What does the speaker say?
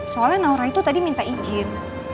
soalnya naura itu tadi minta izin